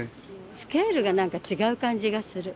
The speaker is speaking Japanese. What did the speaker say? スケールがなんか違う感じがする。